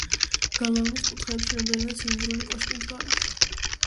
გალავნის კუთხეებში რამდენიმე ცილინდრული კოშკი მდგარა.